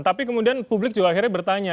tapi kemudian publik juga akhirnya bertanya